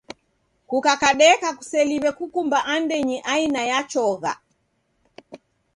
Kukakadeka kuseliw'e kukumba andenyi aina ya chogha.